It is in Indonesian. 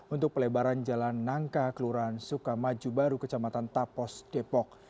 untuk pelebaran jalan nangka keluran suka maju baru kecamatan tapos depok